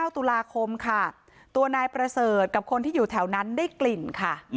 ตุลาคมค่ะตัวนายประเสริฐกับคนที่อยู่แถวนั้นได้กลิ่นค่ะ